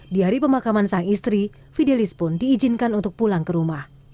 di hari pemakaman sang istri fidelis pun diizinkan untuk pulang ke rumah